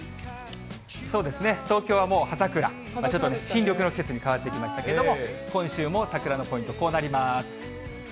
そうですね、東京はもう葉桜、ちょっと新緑の季節に変わってきましたけれども、今週も桜のポイント、こうなります。